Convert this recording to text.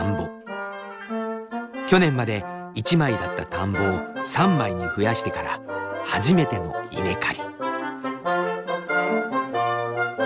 去年まで１枚だった田んぼを３枚に増やしてから初めての稲刈り。